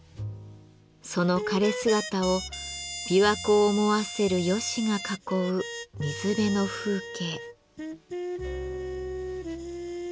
その枯れ姿を琵琶湖を思わせるヨシが囲う水辺の風景。